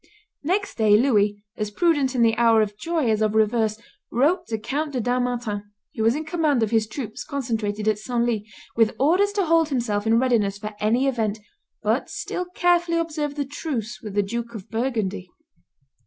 Next day Louis, as prudent in the hour of joy as of reverse, wrote to Count de Dampmartin, who was in command of his troops concentrated at Senlis, with orders to hold himself in readiness for any event, but still carefully observe the truce with the Duke of Burgundy.